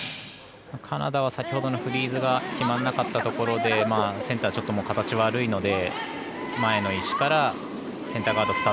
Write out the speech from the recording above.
カナダは先ほどのフリーズが決まらなかったとこでセンター、ちょっと形が悪いので前の石からセンターガード